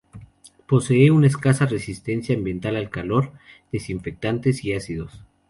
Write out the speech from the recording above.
Posee escasa resistencia ambiental, al calor, desinfectantes y ácidos.